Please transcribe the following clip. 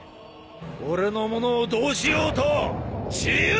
俺の物をどうしようと自由だ！